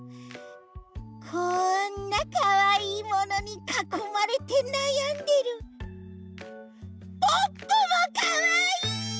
こんなかわいいものにかこまれてなやんでるポッポもかわいい！